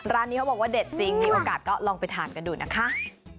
ร้านนี้เขาบอกว่าเด็ดจริงมีโอกาสก็ลองไปทานกันดูนะคะ